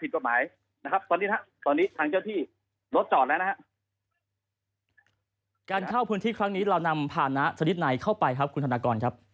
การเข้าพื้นที่ครั้งนี้เรานำพานะชนิดในเข้าไปครับคุณธนากรครับ